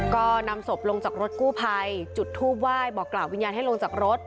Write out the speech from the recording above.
ก็นำศพลงจากรถกู้ภัยจุดทูปไหว้บอกกล่าววิญญาณให้ลงจากรถ